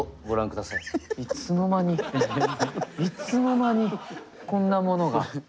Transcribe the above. いつの間にこんなものが。